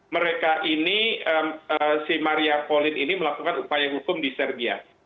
mereka ini si maria polit ini melakukan upaya hukum di serbia